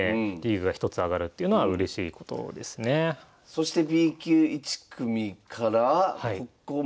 そしてＢ級１組からここも。